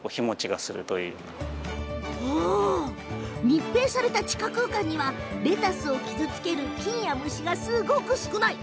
密閉された地下空間にはレタスを傷つける菌や虫がとっても少ない。